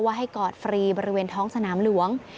ให้กอดฟรีบริเวณท้องสนามหลวง